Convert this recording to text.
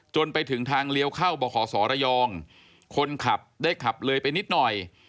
ไปถึงทางเลี้ยวเข้าบขศระยองคนขับได้ขับเลยไปนิดหน่อย